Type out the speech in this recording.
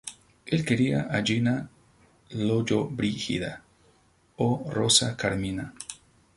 Él quería a Gina Lollobrigida o a Rosa Carmina.